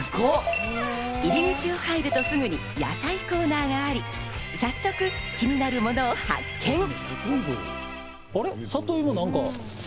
入り口を入るとすぐに野菜コーナーがあり、早速、気になるものを発見。